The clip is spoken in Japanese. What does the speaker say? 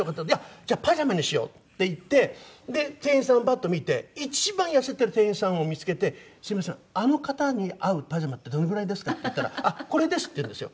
「じゃあパジャマにしよう」って言って店員さんをバッと見て一番痩せてる店員さんを見付けて「すみませんあの方に合うパジャマってどのぐらいですか？」って言ったら「これです」って言うんですよ。